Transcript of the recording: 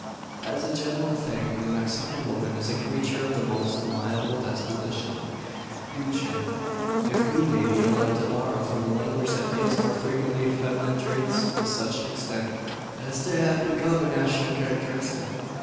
As a general thing the Mexican woman is a creature of the most amiable disposition; douce if we may be allowed to borrow from a language that deals more frequently with feminine traits to such an extent, as to have become a national characteristic.